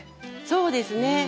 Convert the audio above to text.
そうですね。